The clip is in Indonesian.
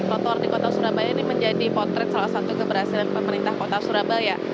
trotoar di kota surabaya ini menjadi potret salah satu keberhasilan pemerintah kota surabaya